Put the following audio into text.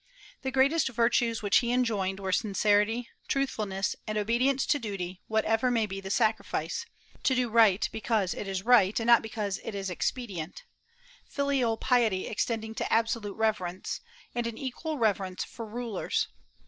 The greatest virtues which he enjoined were sincerity, truthfulness, and obedience to duty whatever may be the sacrifice; to do right because it is right and not because it is expedient; filial piety extending to absolute reverence; and an equal reverence for rulers.